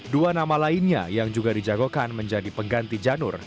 dua nama lainnya yang juga dijagokan menjadi pengganti janur